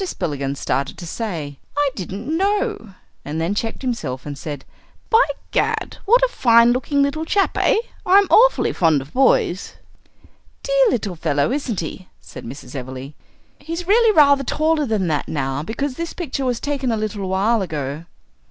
Spillikins started to say, "I didn't know " and then checked himself and said, "By Gad! what a fine looking little chap, eh? I'm awfully fond of boys." "Dear little fellow, isn't he?" said Mrs. Everleigh. "He's really rather taller than that now, because this picture was taken a little while ago."